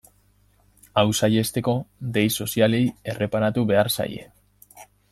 Hau saihesteko, dei sozialei erreparatu behar zaie.